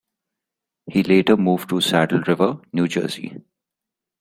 He later moved to Saddle River, New Jersey.